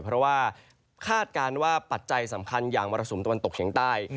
เพราะว่าคาดการณ์ว่าปัจจัยสำคัญอย่างมรสุมตะวันตกเฉียงใต้